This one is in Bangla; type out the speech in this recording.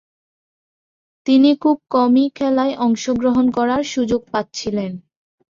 তিনি খুব কমই খেলায় অংশগ্রহণ করার সুযোগ পাচ্ছিলেন।